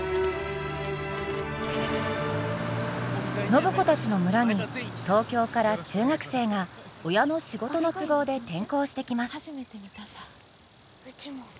暢子たちの村に東京から中学生が親の仕事の都合で転校してきます。